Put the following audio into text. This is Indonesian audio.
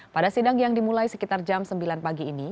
pada sidang yang dimulai sekitar jam sembilan pagi ini